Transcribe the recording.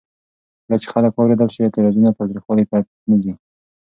کله چې خلک واورېدل شي، اعتراضونه تاوتریخوالي ته نه ځي.